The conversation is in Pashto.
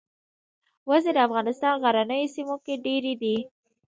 وزې د افغانستان غرنیو سیمو کې ډېرې دي